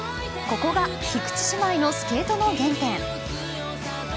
ここが菊池姉妹のスケートの原点。